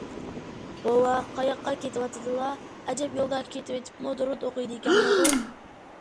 بوۋا، قاياققا كېتىۋاتىدىلا؟ ئەجەب يولدا كېتىۋېتىپمۇ دۇرۇت ئوقۇيدىكەنلىغۇ؟